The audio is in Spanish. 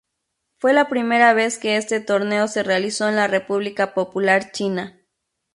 Fue la primera vez que este torneo se realizó en la República Popular China.